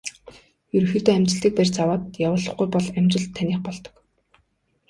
Ерөнхийдөө амжилтыг барьж аваад явуулахгүй бол амжилт таных болдог.